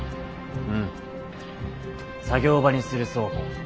うん作業場にする倉庫。